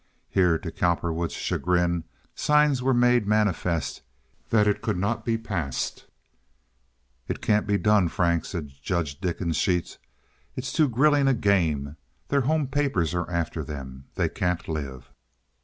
Here, to Cowperwood's chagrin, signs were made manifest that it could not be passed. "It can't be done, Frank," said Judge Dickensheets. "It's too grilling a game. Their home papers are after them. They can't live."